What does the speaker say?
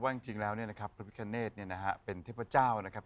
ว่าจริงแล้วนะครับพระพิการเนธเป็นเทพเจ้านะครับ